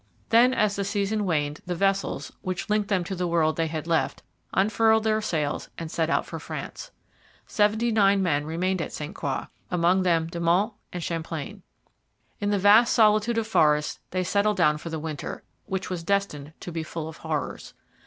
Then as the season waned the vessels, which linked them to the world they had left, unfurled their sails and set out for France. Seventy nine men remained at St Croix, among them De Monts and Champlain. In the vast solitude of forest they settled down for the winter, which was destined to be full of horrors.